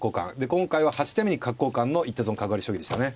今回は８手目に角交換の一手損角換わり将棋でしたね。